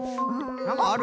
なんかある？